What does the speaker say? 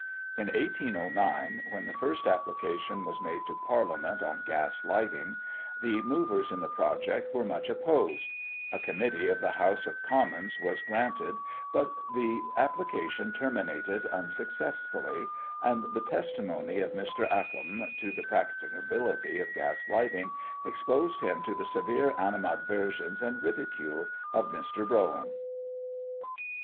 In 1809, when the first application was made to Parliament on gas lighting, the movers in the project were much opposed; a committee of the House of Commons was granted, but the application terminated unsuccessfully; and the testimony of Mr. Accum to the practicability of gas lighting exposed him to the severe animadversions and ridicule of Mr. Brougham.